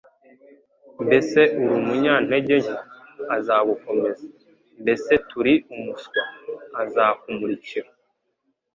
Mbese uri umunyantege nke? Azagukomeza. Mbese turi umuswa? Azakumurikira.